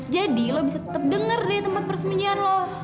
jadi lu bisa tetep denger deh tempat persembunyian lu